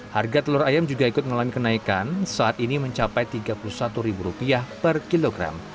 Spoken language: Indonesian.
harga telur ayam juga ikut mengalami kenaikan saat ini mencapai rp tiga puluh satu per kilogram